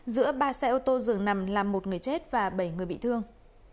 giữa ba xe ô tô dường nằm làm một người chết và bảy người bị thương